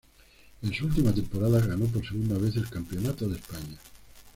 En su última temporada ganó por segunda vez el Campeonato de España.